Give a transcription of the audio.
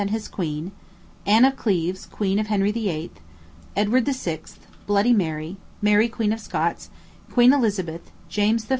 and his queen, Ann of Cleves, queen of Henry VIII., Edward VI., Bloody Mary, Mary, Queen of Scots, Queen Elizabeth, James I.